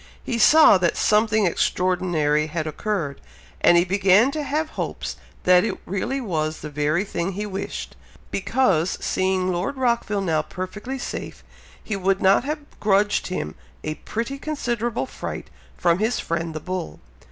He saw that something extraordinary had occurred, and he began to have hopes that it really was the very thing he wished; because, seeing Lord Rockville now perfectly safe, he would not have grudged him a pretty considerable fright from his friend the bull.